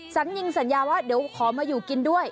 สัญญิงสัญญาว่าเดี๋ยวขอมาอยู่กินด้วย